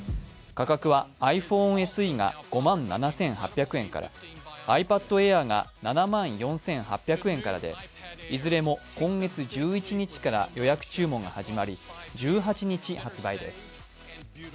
価格はｉＰｈｏｎｅＳＥが５万７８００円からｉＰａｄＡｉｒが７万４８００円からでいずれも今月１１日から予約注文が始まり、１８日、発売です。